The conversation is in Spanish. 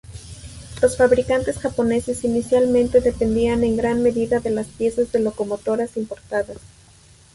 Los fabricantes japoneses inicialmente dependían en gran medida de las piezas de locomotoras importadas.